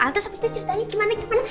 terus abis itu ceritanya gimana gimana